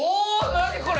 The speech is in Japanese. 何これ！